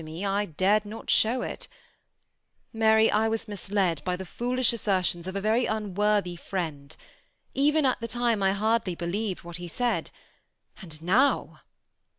me, I dared not show it Mary, I was misled by the foolish assertions of a very unworthy friend. Even at the time I hardly believed what ha' said ; and now